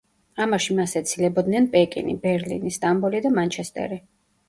ამაში მას ეცილებოდნენ პეკინი, ბერლინი, სტამბოლი და მანჩესტერი.